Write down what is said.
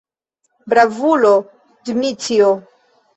Bravulo, Dmiĉjo!